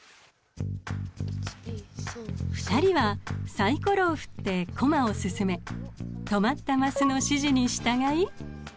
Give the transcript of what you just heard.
２人はサイコロを振ってコマを進め止まったマスの指示に従い。